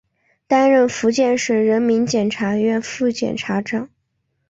担任福建省人民检察院副检察长。